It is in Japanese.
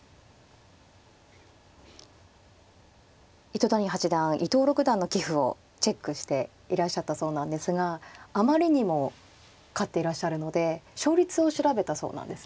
糸谷八段伊藤六段の棋譜をチェックしていらっしゃったそうなんですがあまりにも勝っていらっしゃるので勝率を調べたそうなんですね。